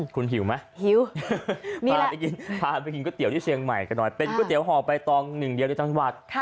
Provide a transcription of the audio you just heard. คุณหิวไหมพาหันไปกินก๋วยเตี๋ยวที่เชียงใหม่กันหน่อยเป็นก๋วยเตี๋ยวหอมใบตอง๑เดียวในจังหวัด